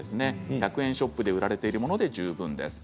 １００円ショップで売られているものでも十分です。